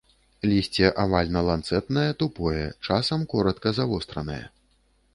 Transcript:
Лісце авальна-ланцэтнае, тупое, часам коратка завостранае.